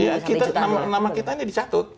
iya kita nama kita ini dicatut